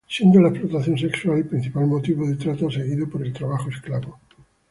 Siendo la explotación sexual el principal motivo de trata, seguido por el trabajo esclavo.